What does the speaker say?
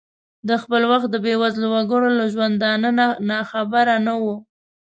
د خپل وخت د بې وزلو وګړو له ژوندانه ناخبره نه ؤ.